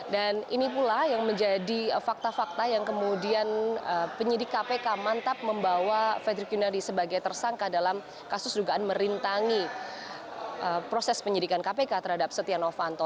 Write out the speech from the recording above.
dan ini pula yang menjadi fakta fakta yang kemudian penyidik kpk mantap membawa fedri kyunari sebagai tersangka dalam kasus dugaan merintangi proses penyidikan kpk terhadap setia novanto